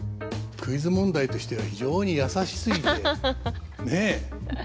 クイズ問題としては非常に易しすぎてねえ。